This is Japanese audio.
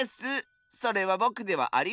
それはぼくではありません！